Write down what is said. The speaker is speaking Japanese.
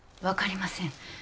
分かりません